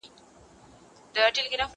زه به سبا ږغ اورم وم،